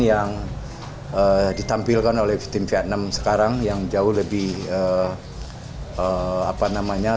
semoga di final kita memberikan kemenangan